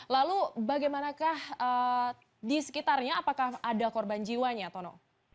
lalu bagaimanakah di sekitarnya apakah ada korban jiwanya tono